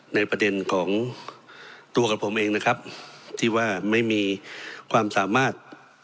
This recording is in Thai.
ในประเด็นของตัวกับผมเองนะครับที่ว่าไม่มีความสามารถ